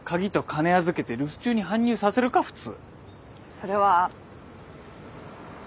それは。